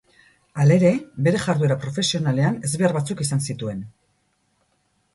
Halere, bere jarduera profesionalean ezbehar batzuk izan zituen.